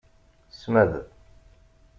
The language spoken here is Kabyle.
Smed.